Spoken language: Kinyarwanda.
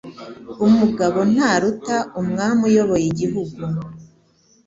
Umugabo ntaruta Umwami uyoboye igihugu